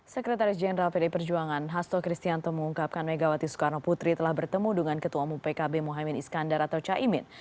sekretaris jenderal pdi perjuangan hasto kristianto mengungkapkan megawati soekarno putri telah bertemu dengan ketua umum pkb mohaimin iskandar atau caimin